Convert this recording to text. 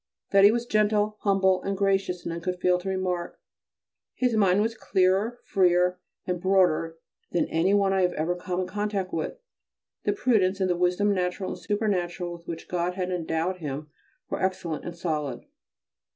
That he was gentle, humble, and gracious none could fail to remark. His mind was clearer, freer, and broader than any other I have come in contact with; the prudence and the wisdom natural and supernatural with which God had endowed him were excellent and solid.